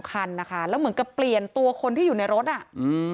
คือมีรถ๒คันและมันเปลี่ยนตัวที่อยู่ในรถ